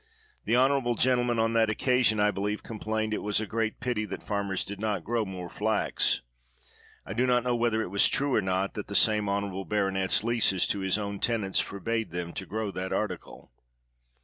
The honorable gentleman on that oc casion, I believe, complained that it was a great pity that farmers did not grow more flax. I do not know whether it was true or not that the 171 THE WORLD'S FAMOUS ORATIONS same honorable baronet's leases to his ovra ten ants forbade them to grow that article.